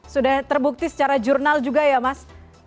sudah terbukti secara jurnal juga ya mas